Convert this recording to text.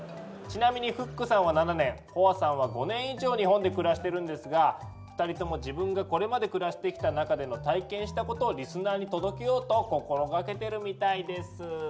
ちなみにフックさんは７年ホアさんは５年以上日本で暮らしてるんですが２人とも自分がこれまで暮らしてきた中での体験したことをリスナーに届けようと心掛けてるみたいです。